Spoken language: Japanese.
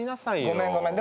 ごめんごめん。